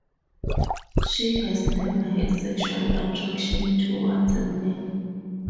She has never had sexual attraction toward a man.